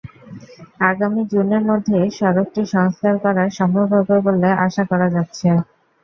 আগামী জুনের মধ্যে সড়কটি সংস্কার করা সম্ভব হবে বলে আশা করা যাচ্ছে।